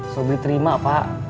sobri terima pak